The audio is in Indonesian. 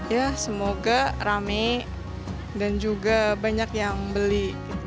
ya semoga rame dan juga banyak yang beli